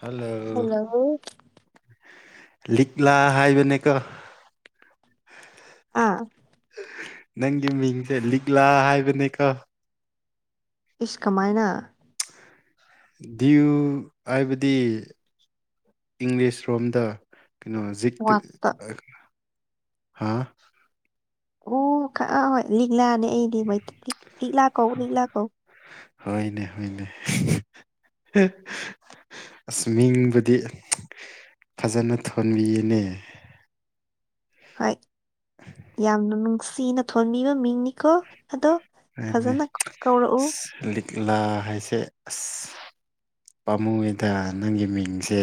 Hello ꯂꯤꯛꯂꯥ ꯍꯥꯏꯕꯅꯦꯀꯣ ꯑꯥ ꯅꯪꯒꯤ ꯃꯤꯡꯖꯦ ꯂꯤꯛꯂꯥ ꯍꯥꯏꯕꯅꯦꯀꯣ ꯏꯁ ꯀꯃꯥꯏꯅ ꯗꯤꯌꯨ ꯍꯥꯏꯕꯗꯤ ꯏꯪꯂꯤꯁ ꯔꯣꯝꯗ ꯀꯩꯅꯣ ꯖꯤꯛꯇ ꯋꯥꯠꯇ ꯑ ꯍꯥꯥ ꯑꯣ ꯈ ꯑꯥ ꯂꯤꯛꯂꯥꯅꯦ ꯑꯩꯗꯤ ꯃꯩꯇꯩ ꯂꯤꯛꯂꯥ ꯀꯧ ꯂꯤꯛꯂꯥ ꯀꯧ ꯍꯣꯏꯅꯦ ꯍꯣꯏꯅꯦ ꯑꯁ ꯃꯤꯡꯕꯨꯗꯤ ꯐꯖꯅ ꯊꯣꯟꯕꯤꯌꯦꯅꯦ ꯍꯣꯏ ꯌꯥꯝꯅ ꯅꯨꯡꯁꯤꯅ ꯊꯣꯟꯕꯤꯕ ꯃꯤꯡꯅꯤꯀꯣ ꯑꯗꯣ [unintelligible] ꯐꯖꯅ ꯀꯧꯔꯛꯎ ꯑꯁ ꯂꯤꯛꯂꯥ ꯍꯥꯏꯁꯦ ꯑꯁ ꯄꯥꯝꯃꯨꯌꯦꯗ ꯅꯪꯒꯤ ꯃꯤꯡꯁꯦ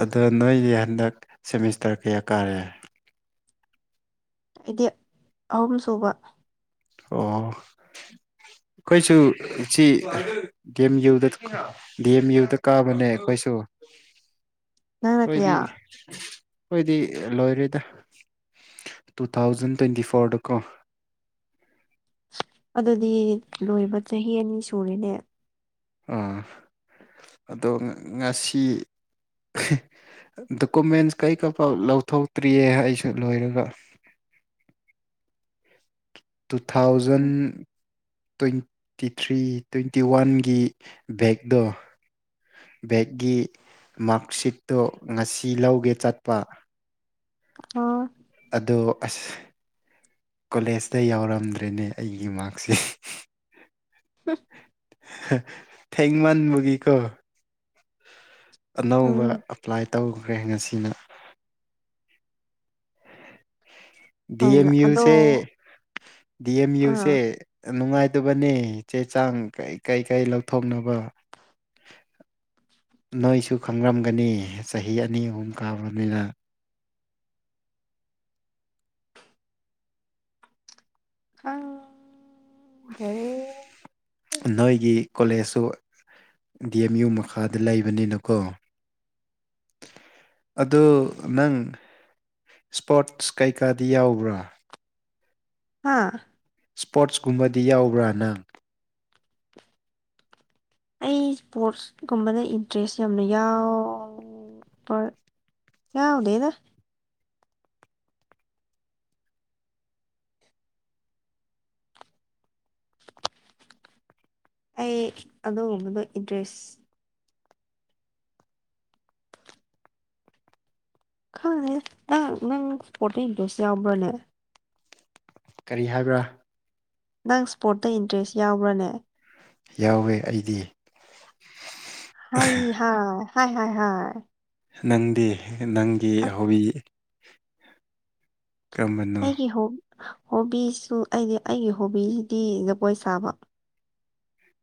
ꯑꯗꯣ ꯅꯣꯏꯗꯤ ꯍꯟꯗꯛ ꯁꯦꯃꯤꯁꯇꯔ ꯀꯌꯥ ꯀꯥꯔꯦ ꯑꯩꯗꯤ ꯑꯍꯨꯝ ꯁꯨꯕ ꯑꯣ ꯑꯩꯈꯣꯏꯁꯨ ꯆꯤ ꯗꯤ ꯑꯦꯝ ꯌꯨꯗ ꯗꯤ ꯑꯦꯝ ꯌꯨꯗ ꯀꯥꯕꯅꯦ ꯑꯩꯈꯣꯏꯁꯨ ꯅꯪꯅ ꯑꯣꯏꯗꯤ ꯀꯌꯥ ꯈꯣꯏꯗꯤ ꯂꯣꯏꯔꯦꯗ ꯇꯨ ꯊꯥꯎꯖꯟ ꯇ꯭ꯋꯦꯟꯇꯤ ꯐꯣꯔꯗ ꯀꯣ ꯑꯗꯨꯗꯤ ꯂꯣꯏꯕ ꯆꯍꯤ ꯑꯅꯤ ꯁꯨꯔꯦꯅꯦ ꯑ ꯑꯗꯣ ꯉꯁꯤ ꯗꯣꯀꯨꯃꯦꯟꯁ ꯀꯩꯀ ꯐꯥꯎ ꯂꯧꯊꯣꯛꯇ꯭ꯔꯤꯌꯦ ꯑꯩꯁꯨ ꯂꯣꯏꯔꯒ two thousand twenty three twenty ꯋꯥꯟꯒꯤ ꯕꯦꯛꯗꯣ ꯕꯦꯛꯒꯤ ꯃꯥꯛꯁꯤꯠꯇꯣ ꯉꯁꯤ ꯂꯧꯒꯦ ꯆꯠꯄ ꯑ ꯑꯗꯣ ꯑꯁ ꯀꯣꯂꯦꯖꯇ ꯌꯥꯎꯔꯝꯗ꯭ꯔꯦꯅꯦ ꯑꯩꯒꯤ ꯃꯥꯛꯁꯤꯠ [unintelligible] ꯊꯦꯡꯃꯟꯕꯒꯤꯀꯣ ꯑꯅꯧꯕ ꯎꯝ ꯑꯦꯄ꯭ꯂꯥꯏ ꯇꯧꯈ꯭ꯔꯦ ꯉꯁꯤꯅ ꯗꯤ ꯍꯣꯏ ꯑꯦꯝ ꯑꯗꯣ ꯌꯨꯁꯦ ꯗꯤ ꯑꯦꯝ ꯌꯨꯁꯦ ꯑꯥ ꯅꯨꯡꯉꯥꯏꯇꯕꯅꯦ ꯆꯦ ꯆꯥꯡ ꯀꯩ ꯀꯩ ꯀꯩ ꯂꯧꯊꯣꯛꯅꯕ ꯅꯣꯏꯁꯨ ꯈꯪꯔꯝꯒꯅꯤ ꯆꯍꯤ ꯑꯅꯤ ꯑꯍꯨꯝ ꯀꯥꯕꯅꯤꯅ ꯈꯪ ꯅꯣꯏꯒꯤ ꯀꯣꯂꯦꯖꯁꯨ ꯗꯤ ꯑꯦꯝ ꯌꯨ ꯃꯈꯥꯗ ꯂꯩꯕꯅꯤꯅꯀꯣ ꯑꯗꯣ ꯅꯪ ꯁ꯭ꯄꯣꯔꯠꯁ ꯀꯩꯀꯥꯗꯤ ꯌꯥꯎꯕ꯭ꯔꯥ ꯍꯥꯥ ꯁ꯭ꯄꯣꯔꯠꯁ ꯀꯨꯝꯕꯗꯤ ꯌꯥꯎꯕ꯭ꯔꯥ ꯅꯪ ꯑꯩ ꯁ꯭ꯄꯣꯔꯠꯁꯀꯨꯝꯕꯗ ꯏꯟꯇꯔꯦꯁ ꯌꯥꯝꯅ ꯌꯥꯎ ꯕ ꯌꯥꯎꯗꯦꯗ ꯑꯩ ꯑꯗꯨꯒꯨꯝꯕꯗꯣ ꯏꯟꯇ꯭ꯔꯦꯁ ꯈꯪꯗꯦꯗ ꯅꯪ ꯅꯪ ꯁ꯭ꯄꯣꯔꯠꯁꯇ ꯏꯟꯇꯔꯦꯁ ꯌꯥꯎꯕ꯭ꯔꯅꯦ ꯀꯔꯤ ꯍꯥꯏꯕ꯭ꯔꯥ ꯅꯪ ꯁ꯭ꯄꯣꯔꯠꯇ ꯏꯟꯇꯔꯦꯁ ꯌꯥꯎꯕ꯭ꯔꯅꯦ ꯌꯥꯎꯋꯦ ꯑꯩꯗꯤ ꯍꯩ ꯍꯥ ꯍꯥꯏ ꯍ ꯍꯥꯏ ꯅꯪꯗꯤ ꯅꯪꯒꯤ ꯑꯁ ꯍꯣꯕꯤ ꯀꯔꯝꯕꯅꯣ ꯑꯩꯒꯤ ꯍꯣ ꯍꯣꯕꯤꯁꯨ ꯑꯩꯗꯤ ꯑꯩꯒꯤ ꯍꯣꯕꯤꯁꯤꯗꯤ ꯖꯒꯣꯏ ꯁꯥꯕ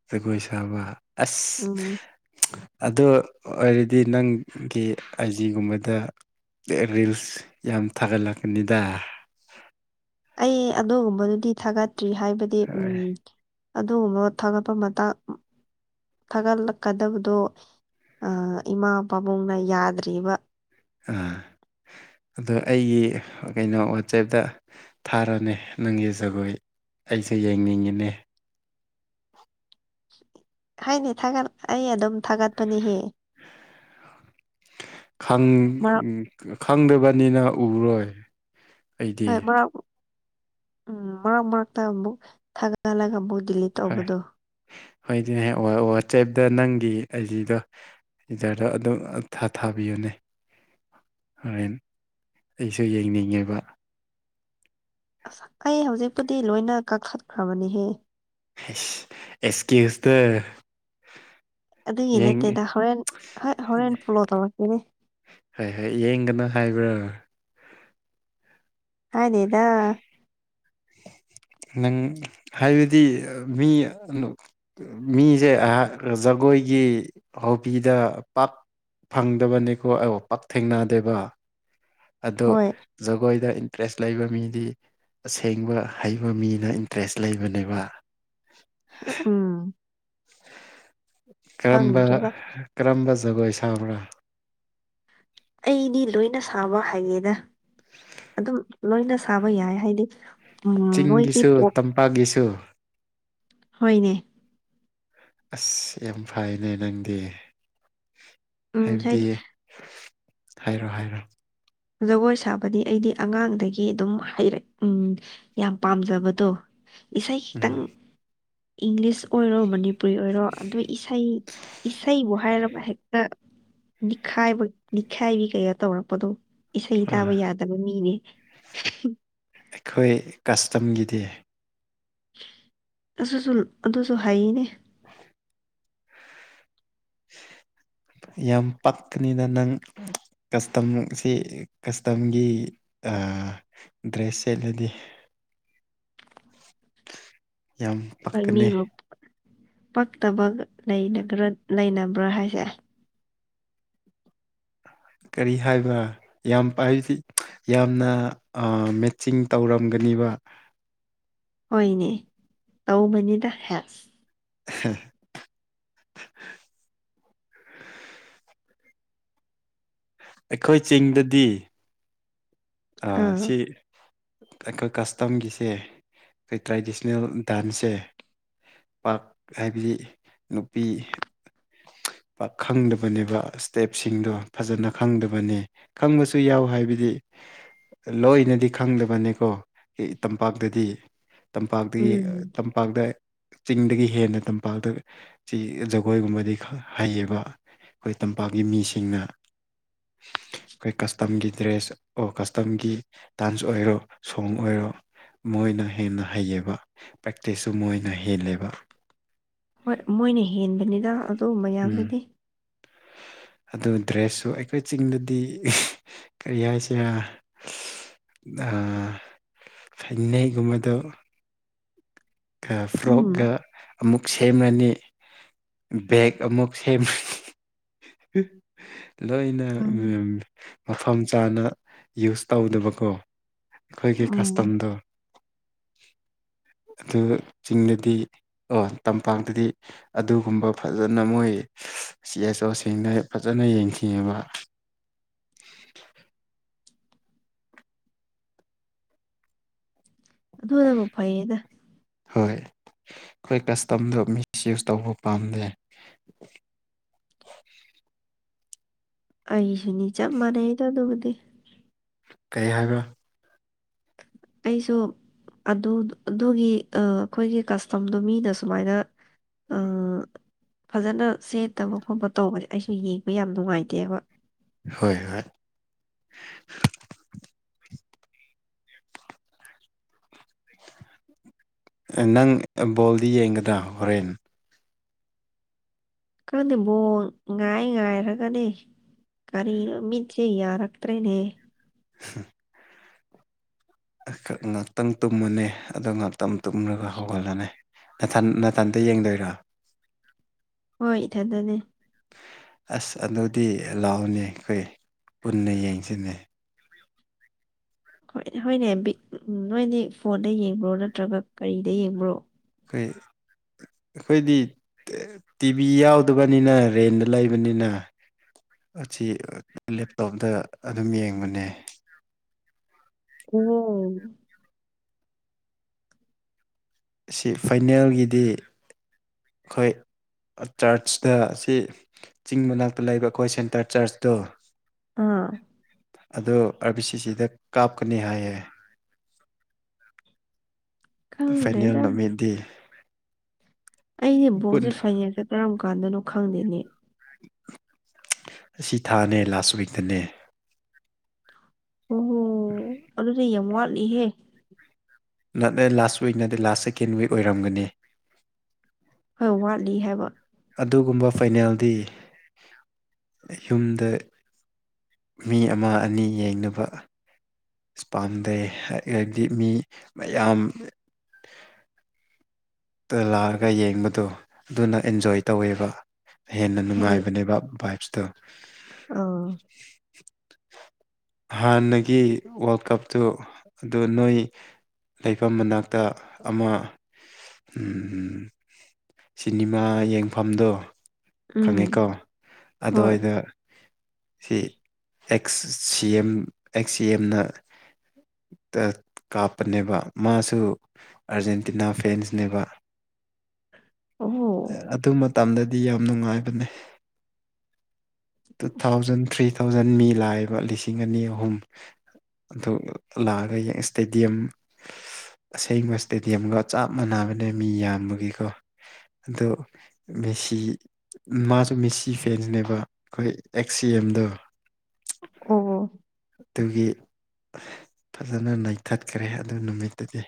ꯖꯒꯣꯏ ꯁꯥꯕ ꯑꯁ ꯎꯝ ꯑꯗꯨ ꯑꯣꯏꯔꯗꯤ ꯅꯪꯒꯤ ꯑꯥꯏꯖꯤꯒꯨꯝꯕꯗ ꯇꯦ ꯔꯤꯜꯁ ꯌꯥꯝ ꯊꯥꯒꯠꯂꯛꯀꯅꯤꯗ ꯑꯩ ꯑꯗꯨꯒꯨꯝꯕꯗꯨꯗꯤ ꯊꯥꯒꯠꯇ꯭ꯔꯤ ꯍꯥꯏꯕꯗꯤ ꯎꯝ ꯑꯥ ꯑꯗꯨꯒꯨꯝꯕ ꯊꯥꯒꯠꯄ ꯃꯇꯥꯡ ꯊꯥꯒꯠꯂꯛꯀꯗꯕꯗꯣ ꯑ ꯏꯃꯥ ꯄꯥꯕꯨꯡꯅ ꯌꯥꯗ꯭ꯔꯤꯕ ꯑ ꯑꯗꯣ ꯑꯩꯒꯤ ꯀꯩꯅꯣ ꯋꯥꯆꯦꯞꯇ ꯊꯥꯔꯣꯅꯦ ꯅꯪꯒꯤ ꯖꯒꯣꯏ ꯑꯩꯁꯦ ꯌꯦꯡꯅꯤꯡꯉꯤꯅꯦ ꯍꯥꯏꯅꯤ ꯊꯥꯒꯠ ꯑꯩ ꯑꯗꯨꯝ ꯊꯥꯒꯠꯄꯅꯤꯍꯦ ꯈꯪ ꯃꯔꯛ ꯎꯝ ꯈꯪꯗꯕꯅꯤꯅ ꯎꯔꯣꯏ ꯑꯩꯗꯤ ꯍꯣꯏ ꯃꯔꯛ ꯎꯝ ꯃꯔꯛ ꯃꯔꯛꯇ ꯑꯃꯨꯛ ꯊꯥꯒꯠꯂꯒ ꯑꯃꯨꯛ ꯗꯤꯂꯤꯠ ꯍꯣꯏ ꯇꯧꯕꯗꯣ ꯍꯣꯏꯗꯤꯍꯦ ꯑꯣ ꯑꯣ ꯋꯥꯆꯦꯞꯗ ꯅꯪꯒꯤ ꯑꯥꯢꯖꯤꯗꯣ ꯍꯤꯗꯔꯗꯣ ꯑꯗꯨꯝ ꯊꯥ ꯊꯥꯕꯤꯌꯨꯅꯦ ꯍꯣꯔꯦꯟ ꯑꯩꯁꯨ ꯌꯦꯡꯅꯤꯡꯉꯤꯕ ꯑꯁ ꯑꯩ ꯍꯧꯖꯤꯛꯄꯨꯗꯤ ꯂꯣꯏꯅ ꯀꯛꯈꯠꯈ꯭ꯔꯕꯅꯤꯍꯦ ꯍꯦꯁ ꯑꯦꯁꯀꯤꯌꯨꯁꯇ ꯑꯗꯨꯒꯤ ꯅꯠꯇꯦꯗ ꯍꯣꯔꯦꯟ ꯍꯣꯏ ꯍꯣꯔꯦꯟ ꯐꯣꯂꯣ ꯇꯧꯔꯛꯀꯦꯅꯦ ꯍꯣꯏ ꯍꯣꯏ ꯌꯦꯡꯒꯅꯨ ꯍꯥꯏꯕ꯭ꯔꯣ ꯍꯥꯏꯗꯦꯗ ꯅꯪ ꯍꯥꯏꯕꯗꯤ ꯃꯤ ꯃꯤꯁꯦ ꯑꯩꯍꯥꯛ ꯖꯒꯣꯏꯒꯤ ꯍꯣꯕꯤꯗ ꯄꯥꯛ ꯐꯪꯗꯕꯅꯤꯀꯣ ꯑꯧ ꯄꯥꯛ ꯊꯦꯡꯅꯗꯦꯕ ꯑꯗꯣ ꯍꯣꯏ ꯖꯒꯣꯏꯗ ꯏꯟꯇꯔꯦꯁ ꯂꯩꯕ ꯃꯤꯗꯤ ꯊꯦꯡꯕ ꯍꯩꯕ ꯃꯤꯅ ꯏꯟꯇꯔꯦꯁ ꯂꯩꯕꯅꯦꯕ ꯎꯝ ꯀꯔꯝꯕ ꯈꯪꯗ꯭ꯔꯦꯗ ꯀꯔꯝꯕ ꯖꯒꯣꯏ ꯁꯥꯕ꯭ꯔꯥ ꯑꯩꯗꯤ ꯂꯣꯏꯅ ꯁꯥꯕ ꯍꯩꯌꯦꯗ ꯑꯗꯨꯝ ꯂꯣꯏꯅ ꯁꯥꯕ ꯌꯥꯏ ꯍꯥꯏꯗꯤ ꯎꯝ ꯃꯣꯏꯒꯤ ꯄꯣꯞ ꯄꯒꯤꯁꯨ ꯍꯣꯏꯅꯦ ꯑꯁ ꯌꯥꯝ ꯐꯩꯅꯦ ꯅꯪꯗꯤ ꯎꯝ ꯍꯥꯏꯕꯗꯤ ꯍꯥꯏꯗꯤ ꯍꯥꯏꯔꯣ ꯍꯥꯏꯔꯣ ꯖꯒꯣꯏ ꯁꯥꯕꯗꯤ ꯑꯩꯗꯤ ꯑꯉꯥꯡꯗꯒꯤ ꯑꯗꯨꯝ ꯍꯩꯔꯛ ꯎꯝ ꯌꯥꯝ ꯄꯥꯝꯖꯕꯗꯣ ꯏꯁꯩ ꯈꯤꯇꯪ ꯎꯝ ꯏꯪꯂꯤꯁ ꯑꯣꯏꯔꯣ ꯃꯅꯤ ꯄꯨꯨꯔꯤ ꯑꯣꯏꯔꯣ ꯑꯗꯨ ꯏꯁꯩ ꯏꯁꯩꯕꯨ ꯍꯥꯏꯔꯕ ꯍꯦꯛꯇꯥ ꯅꯤꯛꯈꯥꯏꯕ ꯅꯤꯛꯈꯥꯏꯕꯤ ꯀꯌꯥ ꯇꯧꯔꯛꯄꯗꯣ ꯏꯁꯩ ꯇꯥꯕ ꯑꯥ ꯌꯥꯗꯕ ꯃꯤꯅꯦ ꯑꯩꯈꯣꯏ ꯀꯁꯇꯝꯒꯤꯗꯤ ꯑꯗꯨꯁꯨ ꯑꯗꯨꯁꯨ ꯍꯩꯅꯦ [inaudible] ꯌꯥꯝ ꯄꯛꯀꯅꯤꯅ ꯅꯪ ꯀꯁꯇꯝꯁꯤ ꯀꯁꯇꯝꯒꯤ ꯑꯥ ꯗ꯭ꯔꯦꯁ ꯁꯦꯠꯂꯗꯤ ꯌꯥꯝ ꯍꯣꯏ ꯄꯛꯀꯅꯤ ꯃꯤꯕꯨ ꯄꯛꯇꯕ [unintelligible] ꯂꯩꯅꯕ꯭ꯔꯥ ꯍꯥꯏꯁꯦ ꯀꯔꯤ ꯍꯥꯏꯕ ꯌꯥꯝ [unintelligible] ꯌꯥꯝꯅ ꯑꯥ ꯃꯦꯠꯆꯤꯡ ꯇꯧꯔꯝꯒꯅꯤꯕ ꯍꯣꯏꯅꯦ ꯇꯧꯕꯅꯤꯗ ꯍꯦꯁ [unintelligible] ꯑꯩꯈꯣꯏ ꯆꯤꯡꯗꯗꯤ ꯑꯥ ꯁꯤ ꯑꯩꯈꯣꯏ ꯀꯁꯇꯝꯒꯤꯁꯦ ꯇ꯭ꯔꯦꯗꯤꯁꯅꯦꯜ ꯗꯥꯟꯁꯁꯦ ꯄꯥꯛ ꯍꯥꯏꯕꯗꯤ ꯅꯨꯄꯤ ꯈꯪꯗꯕꯅꯦꯕ ꯏꯁꯇꯦꯞꯁꯤꯡꯗꯣ ꯐꯖꯅ ꯈꯪꯗꯕꯅꯤ ꯈꯪꯕꯁꯨ ꯌꯥꯎ ꯍꯥꯏꯕꯗꯤ ꯂꯣꯏꯅꯗꯤ ꯈꯪꯗꯕꯅꯤꯀꯣ ꯇꯝꯄꯥꯛꯇꯗꯤ ꯇꯝꯄꯥꯛꯇꯒꯤ ꯎꯝ ꯇꯝ ꯄꯥꯛꯗ ꯆꯤꯡꯗꯒꯤ ꯍꯦꯟꯅ ꯇꯝꯄꯥꯛꯇ ꯁꯤ ꯖꯒꯣꯏꯒꯨꯝꯕꯗꯤ ꯍꯩꯌꯦꯕ ꯑꯩꯈꯣꯏ ꯇꯝꯄꯥꯛꯀꯤ ꯃꯤꯁꯤꯡꯅ ꯑꯩꯈꯣꯏ ꯀꯁꯇꯝꯒꯤ ꯗ꯭ꯔꯦꯁ ꯑꯣ ꯀꯁꯇꯝꯒꯤ ꯗꯥꯟꯁ ꯑꯣꯏꯔꯣ ꯁꯣꯡ ꯑꯣꯏꯔꯣ ꯃꯣꯏꯅ ꯍꯦꯟꯅ ꯍꯩꯌꯦꯕ ꯄ꯭ꯔꯦꯛꯇꯤꯁꯁꯨ ꯃꯣꯏꯅ ꯍꯦꯜꯂꯦꯕ ꯍꯣꯏ ꯃꯣꯏꯅ ꯍꯦꯟꯕꯅꯤꯗ ꯑꯗꯨ ꯎꯝ ꯃꯌꯥꯝꯗꯨꯗꯤ ꯑꯗꯨ ꯗ꯭ꯔꯦꯁꯁꯨ ꯑꯩꯈꯣꯏ ꯆꯤꯡꯗꯗꯤ ꯀꯔꯤ ꯍꯥꯏꯁꯤꯔꯥ ꯅꯥ ꯐꯟꯅꯦꯛꯒꯨꯝꯕꯗꫭ ꯎꯝ ꯐ꯭ꯔꯣꯛꯀ ꯑꯃꯨꯛ ꯁꯦꯝꯃꯅꯤ ꯕꯦꯛ ꯑꯃꯨꯛ ꯁꯦꯝꯃ ꯂꯣꯏꯅ ꯈꯪ ꯎꯝ ꯃꯐꯝ ꯆꯥꯅ ꯌꯨꯁ ꯇꯧꯗꯕꯀꯣ ꯑꯩꯈꯣꯏꯒꯤ ꯎꯝ ꯀꯁꯇꯝꯗꯣ [inaudible] ꯑꯗꯨꯒ ꯆꯤꯡꯗꯗꯤ ꯑꯣ ꯇꯝꯄꯥꯛꯇꯗꯤ ꯑꯗꯨꯒꯨꯝꯕ ꯐꯖꯅ ꯃꯣꯏ ꯁꯤ ꯑꯆ ꯑꯣ [unintelligible] ꯐꯖꯅ ꯌꯦꯡ [unintelligible] ꯑꯗꯨꯅꯕꯨ ꯐꯩꯗ ꯍꯣꯏ ꯑꯩꯈꯣꯏ ꯀꯁꯇꯝꯗꯣ ꯃꯤꯁ ꯌꯨꯁ ꯇꯧꯕ ꯄꯥꯝꯗꯦ ꯑꯩꯁꯨꯅꯤ ꯆꯞ ꯃꯥꯟꯅꯩꯗ ꯑꯗꯨꯕꯨꯗꯤ ꯀꯩ ꯍꯥꯏꯕ ꯑꯩꯁꯨ ꯑꯗꯨ ꯑꯗꯨꯒꯤ ꯑꯥ ꯑꯩꯈꯣꯏꯒꯤ ꯀꯁꯇꯝꯗꯣ ꯃꯤꯅ ꯁꯨꯃꯥꯏꯅ ꯑꯥ ꯐꯖꯅ ꯁꯦꯠꯇꯕ ꯈꯣꯠꯄ ꯇꯧꯕ [unintelligible] ꯑꯩꯁꯨ ꯌꯦꯡꯕ ꯌꯥꯝ ꯅꯨꯡꯉꯥꯏꯇꯦꯕ ꯍꯣꯏ ꯍꯣꯏ ꯑ ꯅꯪ ꯕꯣꯜꯗꯤ ꯌꯦꯡꯒꯗ꯭ꯔꯥ ꯍꯣꯔꯦꯟ ꯈꯪꯗꯦ ꯕꯣꯜ ꯉꯥꯏ ꯉꯥꯏꯔꯒꯅꯤ ꯀꯔꯤ ꯃꯤꯠꯁꯦ ꯌꯥꯔꯛꯇ꯭ꯔꯦꯅꯦ [unintelligible] ꯈꯔ ꯉꯥꯛꯇꯪ ꯇꯨꯝꯃꯨꯅꯦ ꯑꯗꯣ ꯉꯥꯛꯇꯪ ꯇꯨꯝꯂꯒ ꯍꯧꯒꯠꯂꯣꯅꯦ ꯅꯊꯟ ꯅꯊꯟꯇ ꯌꯦꯡꯗꯨꯏꯔꯣ ꯍꯣꯏ ꯏꯊꯟꯗꯅꯦ ꯑꯁ ꯑꯗꯨꯗꯤ ꯂꯥꯎꯅꯤ ꯑꯩꯈꯣꯏ ꯄꯨꯟꯅ ꯌꯦꯡꯁꯤꯅꯦ ꯍꯣꯏ ꯍꯣꯏꯅꯦ ꯕꯤꯠ ꯎꯝ ꯅꯣꯏꯗꯤ ꯐꯣꯟꯗ ꯌꯦꯡꯕ꯭ꯔꯣ ꯅꯠꯇ꯭ꯔꯒ ꯀꯔꯤꯗ ꯌꯦꯡꯕ꯭ꯔꯣ ꯑꯩꯩ ꯑꯩꯈꯣꯏꯗꯤ ꯇꯤꯚꯤ ꯌꯥꯎꯗꯕꯅꯤꯅ ꯔꯦꯟꯗ ꯂꯩꯕꯅꯤꯅ ꯑꯁꯤ ꯂꯦꯞꯇꯣꯞꯇ ꯑꯗꯨꯝ ꯌꯦꯡꯕꯅꯦ [unintelligible] ꯁꯤ ꯐꯥꯏꯅꯦꯜꯒꯤꯗꯤ ꯑꯩꯈꯣꯏ ꯑ ꯆꯔꯆꯇ ꯑꯁꯤ ꯆꯤꯡ ꯃꯅꯥꯛꯇ ꯂꯩꯕ ꯑꯩꯈꯣꯏ ꯁꯦꯟꯇꯔ ꯆꯔꯆꯇꯣ ꯑꯥ ꯑꯗꯣ ꯑꯥꯔ ꯕꯤ ꯁꯤ ꯁꯤꯗ ꯀꯥꯞꯀꯅꯤ ꯍꯥꯏꯌꯦ ꯐꯥꯏꯅꯦꯜ ꯈꯪꯗ꯭ꯔꯦꯗ ꯅꯨꯃꯤꯠꯗꯤ ꯑꯩꯗꯤ ꯄꯨꯟ ꯕꯣꯛꯖꯦ ꯐꯥꯏꯅꯦꯜꯁꯦ ꯀꯔꯝ ꯀꯥꯟꯗꯅꯣ ꯈꯪꯗꯦꯅꯦ ꯁꯤ ꯊꯥꯅꯦ ꯂꯥꯁ ꯋꯤꯛꯇꯅꯦ ꯑꯣꯍꯣ ꯑꯗꯨꯗꯤ ꯌꯥꯝ ꯋꯥꯠꯂꯤꯍꯦ ꯅꯠ ꯂꯦ ꯂꯥꯁ ꯋꯤꯛ ꯅꯠꯇꯦ ꯂꯥꯁ ꯁꯦꯀꯦꯟ ꯋꯤꯛ ꯑꯣꯏꯔꯝꯒꯅꯤ ꯈꯔ ꯋꯥꯠꯂꯤ ꯍꯥꯏꯕ ꯑꯗꯨꯒꯨꯝꯕ ꯐꯥꯏꯅꯦꯜꯗꯤ ꯌꯨꯝꯗ ꯃꯤ ꯑꯃ ꯑꯅꯤ ꯌꯦꯡꯅꯕ ꯏꯁꯄꯥꯟꯗꯦ ꯍ ꯍꯥꯏꯕꯗꯤ ꯃꯤ ꯃꯌꯥꯝ ꯇ ꯂꯥꯛꯑꯒ ꯌꯦꯡꯕꯗꯣ ꯑꯗꯨꯅ ꯑꯦꯟꯖꯣꯏ ꯇꯧꯋꯦꯕ ꯍꯦꯟꯅ ꯅꯨꯡꯉꯥꯏꯕꯅꯦꯕ ꯕꯥꯥꯏꯞꯁꯇꯣ ꯑꯥꯎ ꯍꯥꯟꯅꯒꯤ ꯋꯥꯔꯜ ꯀꯞꯇꯨ ꯑꯗꯨ ꯅꯣꯏ ꯂꯩꯐꯝ ꯃꯅꯥꯛꯇ ꯑꯃ ꯎꯝ ꯁꯤꯅꯤꯃꯥ ꯌꯦꯡꯐꯝꯗꯣ ꯎꯝ ꯈꯪꯉꯤꯀꯣ ꯍꯣꯏ ꯑꯗꯨꯋꯥꯏꯗ ꯁꯤ ꯑꯦꯛꯁ ꯁꯤ ꯑꯦꯝ ꯑꯦꯝ ꯑꯦꯛꯁ ꯁꯤ ꯑꯦꯝꯅ ꯇ ꯀꯥꯞꯄꯅꯦꯕ ꯃꯥꯁꯨ ꯑꯥꯔꯖꯦꯟꯇꯤꯅꯥ ꯐꯦꯟꯁꯅꯦꯕ [inaudible] ꯑ ꯑꯣ ꯑꯗꯨ ꯃꯇꯝꯗꯗꯤ ꯌꯥꯝ ꯅꯨꯡꯉꯥꯏꯕꯅꯦ ꯇꯨ ꯊꯥꯎꯖꯟ ꯊ꯭ꯔꯤ ꯊꯥꯎꯖꯟ ꯃꯤ ꯂꯥꯛꯏꯕ ꯂꯤꯁꯤꯡ ꯑꯅꯤ ꯑꯍꯨꯝ ꯑꯗꯨ ꯂꯥꯛꯑꯒ ꯌꯦꯡ ꯏꯁꯇꯦꯗꯤꯌꯝ ꯑꯁꯦꯡꯕ ꯏꯁꯇꯦꯗꯤꯌꯝꯒ ꯆꯞ ꯃꯥꯟꯅꯕꯅꯦ ꯃꯤ ꯌꯥꯝꯕꯒꯤꯀꯣ ꯑꯗꯣ ꯃꯦꯁꯤ ꯃꯥꯖꯨ ꯃꯦꯁꯤ ꯐꯦꯟꯁꯅꯦꯕ ꯑꯩꯈꯣꯏ ꯑꯦꯛꯁ ꯁꯤ ꯑꯦꯝꯗꯣ ꯑꯣ ꯑꯗꯨꯒꯤ ꯐꯖꯅ ꯅꯩꯊꯠꯈ꯭ꯔꯦ ꯑꯗꯨ ꯅꯨꯃꯤꯠꯇꯨꯗꯤ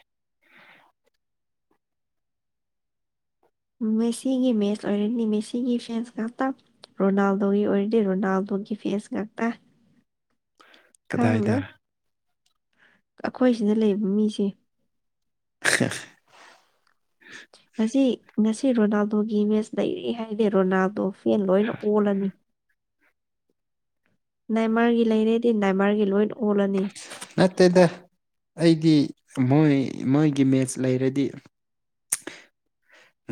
ꯃꯦꯁꯤꯒꯤ ꯃꯦꯠꯁ ꯑꯣꯔꯗꯤ ꯃꯦꯁꯤꯒꯤ ꯐꯦꯟꯁ ꯉꯥꯛꯇ ꯔꯣꯅꯥꯜꯗꯣꯒꯤ ꯑꯣꯏꯔꯗꯤ ꯔꯣꯅꯥꯜꯗꯣꯒꯤ ꯐꯦꯁ ꯉꯥꯛꯇ ꯫ ꯀꯗꯥꯏꯗ? ꯑꯩꯈꯣꯏ ꯁꯤꯗ ꯂꯩꯕ ꯃꯤꯁꯦ ꯫ [unintelligible] ꯉꯁꯤ ꯉꯁꯤ ꯔꯣꯅꯥꯜꯗꯣꯒꯤ ꯃꯦꯠꯁ ꯂꯩꯔꯦ ꯍꯥꯏꯗꯤ ꯔꯣꯅꯥꯜꯗꯣ ꯐꯦꯟ ꯂꯣꯏꯅ ꯑꯣꯜꯂꯅꯤ ꯫ ꯅꯦꯃꯥꯔꯒꯤ ꯂꯩꯔꯦꯗꯤ ꯅꯦꯃꯥꯔꯒꯤ ꯂꯣꯏ ꯑꯣꯜꯂꯅꯤ ꯫ ꯅꯠꯇꯦꯗ ꯑꯩꯗꯤ ꯃꯣꯏ ꯃꯣꯏꯒꯤ ꯃꯦꯠꯆ ꯂꯩꯔꯗꯤ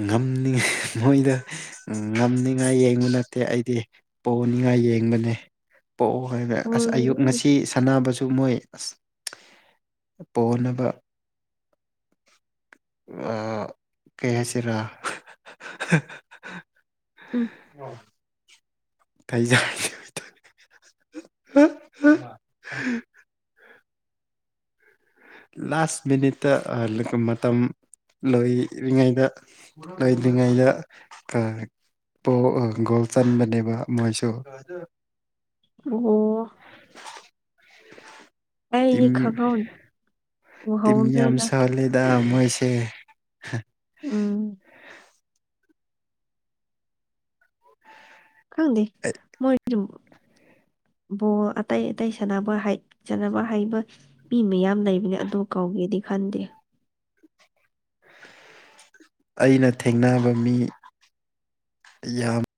ꯉꯝꯅꯤꯡꯉꯥꯏ ꯃꯣꯏꯗ ꯉꯝꯅꯤꯡꯉꯥꯏ ꯌꯦꯡꯕ ꯅꯠꯇꯦ ꯑꯩꯗꯤ ꯫ ꯄꯣꯅꯤꯡꯉꯥꯏ ꯌꯦꯡꯕꯅꯦ ꯄꯣꯑꯣ ꯍꯥꯏꯅ ꯑꯁ ꯑꯌꯨꯛ ꯎꯝ ꯉꯁꯤ ꯁꯥꯟꯅꯕꯁꯨ ꯃꯣꯏ ꯑꯁ ꯄꯣꯍꯟꯅꯕ ꯑꯥ ꯀꯩ ꯍꯥꯏꯁꯤꯔꯥ ꯎꯝ ꯑꯣ [unintelligible] [unintelligible] ꯂꯥꯁ ꯃꯤꯅꯤꯠꯇ ꯑ ꯃꯇꯝ ꯂꯣꯏꯔꯤꯉꯩꯗ ꯂꯩꯗ꯭ꯔꯤꯉꯩꯗ ꯀꯥ ꯄ‌ꯣ ꯑ ꯒꯣꯜ ꯆꯟꯕꯅꯦꯕ ꯃꯣꯏꯁꯨ ꯫ ꯑꯣ [inaudible] ꯑꯩꯗꯤ ꯇꯤꯝ ꯈꯪꯍꯧ ꯇꯤꯝ ꯌꯥꯝ ꯎꯍꯧꯗ꯭ꯔꯦꯗ ꯁꯣꯜꯂꯦꯗ ꯃꯣꯏꯁꯦ ꯫ ꯎꯝ ꯈꯪꯗꯦ ꯃꯣꯏꯗꯨ ꯕꯣꯜ ꯑꯇꯩ ꯑꯇꯩ ꯁꯥꯟꯅꯕ ꯍꯩ ꯁꯥꯟꯅꯕ ꯍꯩꯕ ꯃꯤ ꯃꯌꯥꯝ ꯂꯩꯕꯅꯦ ꯑꯗꯨ ꯀꯧꯒꯦꯗꯤ ꯈꯟꯗꯦ ꯫ ꯑꯩꯅ ꯊꯦꯡꯅꯕ ꯃꯤ ꯌꯥꯝ